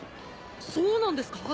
そうなんですか？